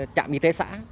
trạm y tế xã